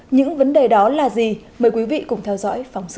những vấn đề đó là gì mời quý vị cùng theo dõi phóng sự